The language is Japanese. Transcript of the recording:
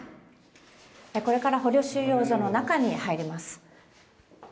これから捕虜収容所の中に入ります。